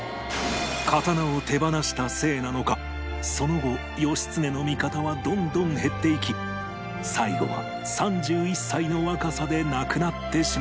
刀を手放したせいなのかその後義経の味方はどんどん減っていき最後は３１歳の若さで亡くなってしまったのだ